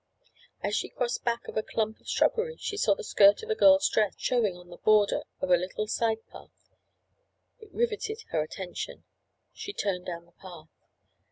As she crossed back of a clump of shrubbery she saw the skirt of a girl's dress showing on the border of a little side path. It riveted her attention. She turned down the path.